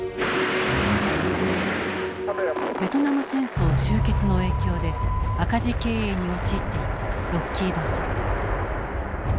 ベトナム戦争終結の影響で赤字経営に陥っていたロッキード社。